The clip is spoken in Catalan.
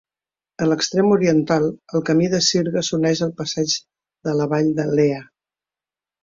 A l'extrem oriental, el camí de sirga s'uneix al passeig de la Vall de Lea.